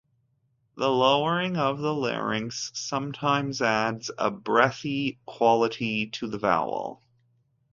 The lowering of the larynx sometimes adds a breathy quality to the vowel.